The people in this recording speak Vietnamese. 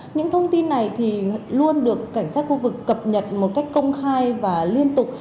những thông tin này luôn được cảnh sát khu vực cập nhật một cách công khai và liên tục